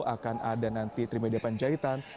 akan ada nanti trimedia panjaitan